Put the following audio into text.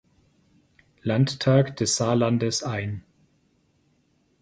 Landtag des Saarlandes ein.